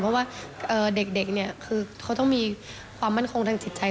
เพราะว่าเด็กต้องมีความมั่นคงทางจิตใจ